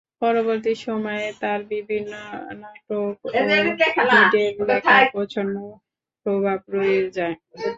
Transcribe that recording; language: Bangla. পরবর্তী সময়ে তাঁর বিভিন্ন নাটকে ওভিডের লেখার প্রচ্ছন্ন প্রভাব রয়ে যায়।